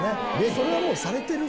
それはもうされてるっすね。